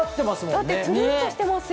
だってツルンとしてますよ。